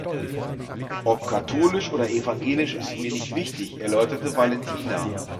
Ob katholisch oder evangelisch ist mir nicht wichtig, erläuterte Valentina.